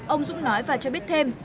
ông dũng nói và cho biết thêm